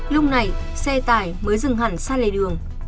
lúc này xe tải mới dừng hẳn xa lề đường